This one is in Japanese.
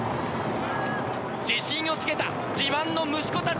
自信をつけた自慢の息子たち。